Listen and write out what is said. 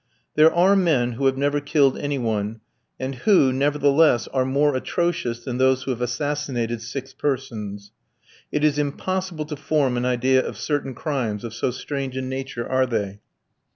There are men who have never killed any one, and who, nevertheless, are more atrocious than those who have assassinated six persons. It is impossible to form an idea of certain crimes, of so strange a nature are they.